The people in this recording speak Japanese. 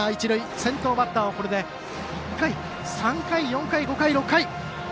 先頭バッターを１回３回、４回、５回、６回。